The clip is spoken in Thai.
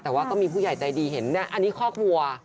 แต่ว่าก็มีผู้ใหญ่ใจดีเห็นอันนี้คอกวัว